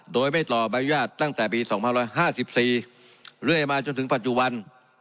โดยไม่ต่อใบอนุญาตตั้งแต่ปี๒๕๕๔เรื่อยมาจนถึงปัจจุบัน